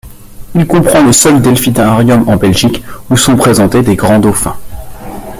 Il comprend le seul delphinarium de Belgique, où sont présentés des grands dauphins.